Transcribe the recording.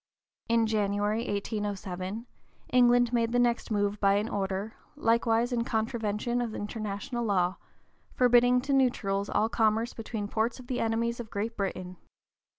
In January, 1807, England made the next move by an order, likewise in contravention of international law, forbidding to neutrals all commerce between ports of the enemies of Great Britain.